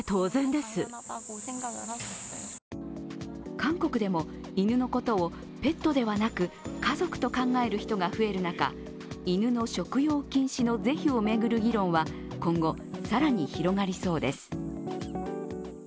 韓国でも、犬のことをペットではなく家族と考える人が増える中犬の食用禁止の是非を巡る議論は今後、更に広がりそうです。